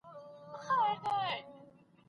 حکومتونه به ګډي ناستي جوړوي.